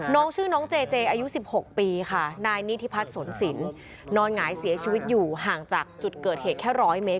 น้องชื่อน้องเจเจอายุ๑๖ปีค่ะนายนิธิพัฒน์สนสินนอนหงายเสียชีวิตอยู่ห่างจากจุดเกิดเหตุแค่๑๐๐เมตร